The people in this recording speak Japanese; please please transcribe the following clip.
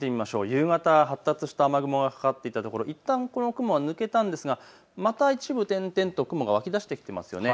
夕方発達した雨雲がかかっていたところ、いったんこの雲は抜けたんですが、また一部、点々と雲が湧き出してきていますよね。